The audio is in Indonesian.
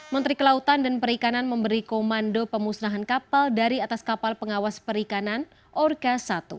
menteri kelautan dan perikanan memberi komando pemusnahan kapal dari atas kapal pengawas perikanan orka satu